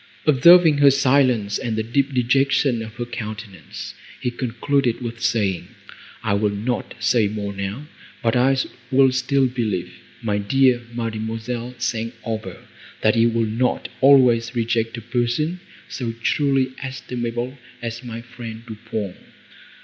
Observing her silence and the deep dejection of her countenance, he concluded with saying, "I will not say more now, but I will still believe, my dear Mademoiselle St. Aubert, that you will not always reject a person, so truly estimable as my friend Du Pont."